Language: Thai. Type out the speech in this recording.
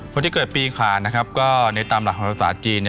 คนที่เกิดปีขาดนะครับก็ในตามหลักของภาษาจีน